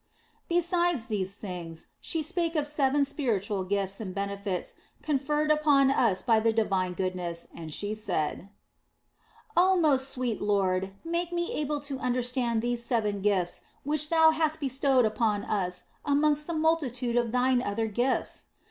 Beside these things, she spake of seven spiritual gifts and benefits conferred upon us by the divine goodness, and she said " Oh most sweet Lord, make me able to understand these seven gifts which Thou hast bestowed upon us amongst the multitude of Thine other gifts